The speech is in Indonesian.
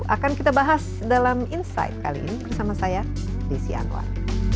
akan kita bahas dalam insight kali ini bersama saya desi anwar